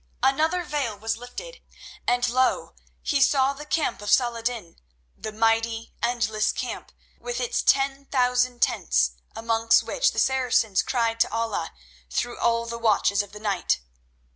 Another veil was lifted, and lo! he saw the camp of Saladin, the mighty, endless camp, with its ten thousand tents, amongst which the Saracens cried to Allah through all the watches of the night.